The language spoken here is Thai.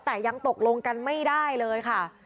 แต่ยังตกลงกันไม่ได้เลยค่ะ